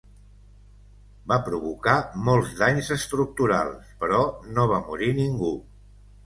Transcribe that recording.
Va provocar molts danys estructurals, però no va morir ningú.